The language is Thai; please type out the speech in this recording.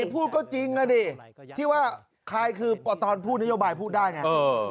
พูดก็จริงอ่ะดิที่ว่าใครคือตอนพูดนโยบายพูดได้ไง